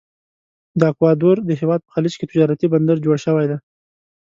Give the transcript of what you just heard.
د اکوادور د هیواد په خلیج کې تجارتي بندر جوړ شوی دی.